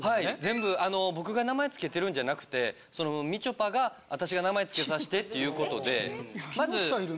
全部あの僕が名前つけてるんじゃなくてそのみちょぱが私が名前つけさしてっていうことでまず。